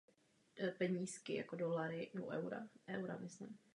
Z českých sportovců se nezúčastnil ani jediný.